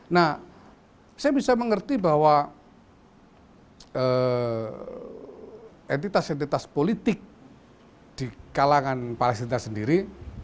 nah saya bisa mengerti bahwa entitas entitas politik di kalangan palestina sendiri